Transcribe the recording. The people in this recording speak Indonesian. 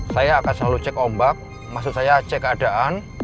saya akan selalu cek ombak maksud saya cek keadaan